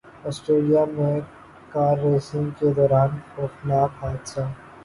Australia میں car racing کے دوران خوفناک حادثہ